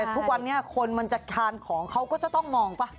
ทุกวันนี้คนมันจะทานของเขาก็จะต้องมองป่ะ